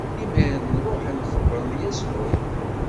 Imiren ṛuḥen, xebbṛen Yasuɛ.